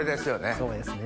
そうですね。